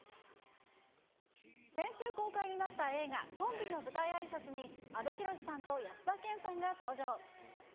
先週公開になった映画、とんびの舞台あいさつに阿部寛さんと安田顕さんが登場。